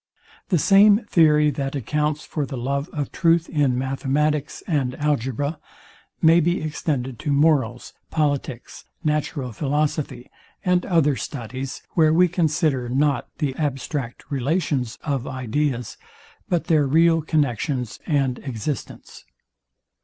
The same theory, that accounts for the love of truth in mathematics and algebra may be extended to morals, politics, natural philosophy, and other studies, where we consider not the other abstract relations of ideas, but their real connexions and existence.